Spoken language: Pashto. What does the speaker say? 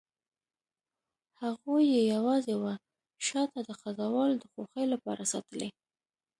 هغوی یې یوازې وه شاته د خزهوالو د خوښۍ لپاره ساتلي.